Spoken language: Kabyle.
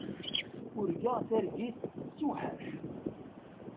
Urgaɣ targit tessewḥac.